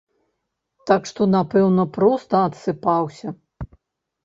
Так што напэўна, проста адсыпаўся.